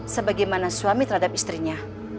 sebagaimana suami terhadap istrinya